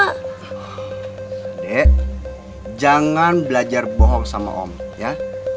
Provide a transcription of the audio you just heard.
dek jangan belajar bohong sama om ya